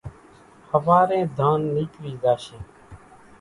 ۿوارين ڌانَ نيڪرِي زاشيَ۔